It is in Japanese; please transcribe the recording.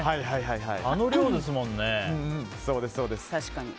あの量ですもんね。